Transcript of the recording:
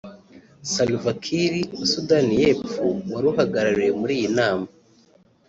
Salva Kiir wa Sudani y’Epfo wari uhagarariwe muri iyi nama